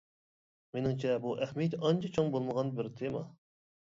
مېنىڭچە بۇ ئەھمىيىتى ئانچە چوڭ بولمىغان بىر تېما!